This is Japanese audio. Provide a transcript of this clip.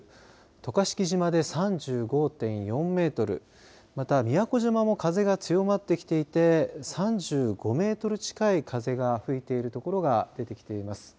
渡嘉敷島で３５．４メートルまた、宮古島も風が強まってきていて３５メートル近い風が吹いているところが出てきています。